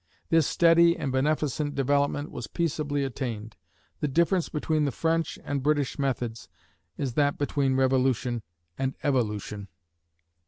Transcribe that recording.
This steady and beneficent development was peaceably attained. The difference between the French and British methods is that between revolution and evolution.